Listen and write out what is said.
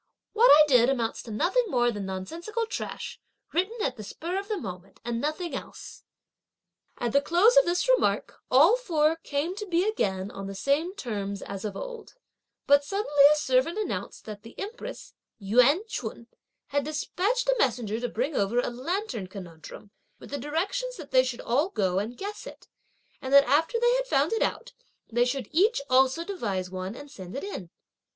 what I did amounts to nothing more than nonsensical trash, written, at the spur of the moment, and nothing else." At the close of this remark all four came to be again on the same terms as of old; but suddenly a servant announced that the Empress (Yüan Ch'un) had despatched a messenger to bring over a lantern conundrum with the directions that they should all go and guess it, and that after they had found it out, they should each also devise one and send it in.